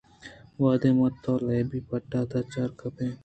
وھدے من ءُ تو لیبی پٹّ ءَ دُچار کپتیں